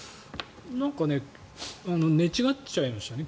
なんかね寝違っちゃいましたね。